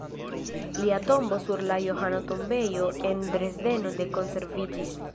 Lia tombo sur la Johano-Tombejo en Dresdeno ne konserviĝis.